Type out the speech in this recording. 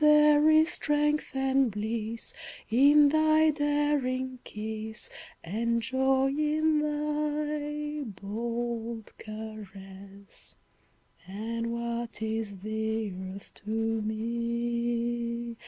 There is strength and bliss in thy daring kiss, And joy in thy bold caress. And what is the Earth to me!